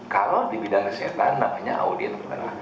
kalau di bidang kesehatan namanya audit